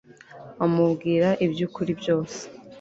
amubwira iby'ukuri byose